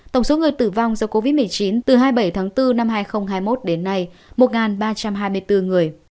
tổng số người tử vong do covid một mươi chín từ hai mươi bảy tháng bốn năm hai nghìn hai mươi một đến nay một ba trăm hai mươi bốn người